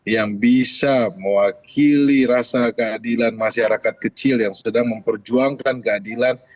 yang bisa mewakili rasa keadilan masyarakat kecil yang sedang memperjuangkan keadilan